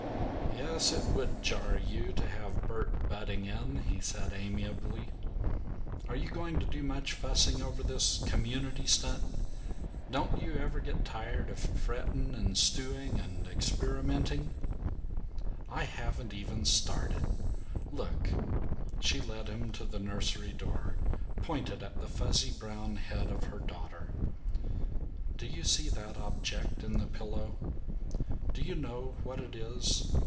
"Yes, it would jar you to have Bert butting in," he said amiably. "Are you going to do much fussing over this Community stunt? Don't you ever get tired of fretting and stewing and experimenting?" "I haven't even started. Look!" She led him to the nursery door, pointed at the fuzzy brown head of her daughter. "Do you see that object on the pillow? Do you know what it is?